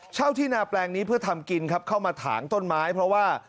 ที่นาแปลงนี้เพื่อทำกินครับเข้ามาถางต้นไม้เพราะว่า